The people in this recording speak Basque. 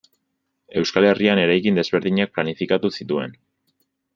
Euskal Herrian eraikin desberdinak planifikatu zituen.